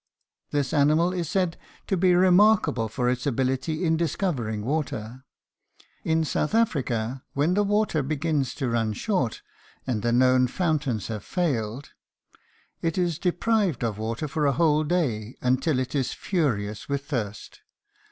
This animal is said to be remarkable for its ability in discovering water. In South Africa, when the water begins to run short, and the known fountains have failed, it is deprived of water for a whole day, until it is furious with thirst.